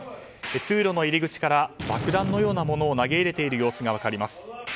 通路の入り口から爆弾のようなものを投げ入れている様子が分かります。